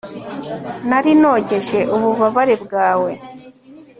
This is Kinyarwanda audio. nari nogeje ububabare bwawe